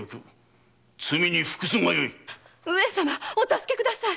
上様お助けください！